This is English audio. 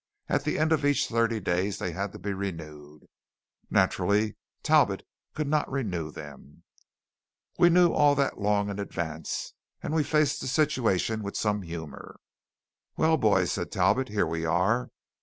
At the end of each thirty days they had to be renewed. Naturally Talbot could not renew them. We knew all that long in advance, and we faced the situation with some humour. "Well, boys," said Talbot, "here we are.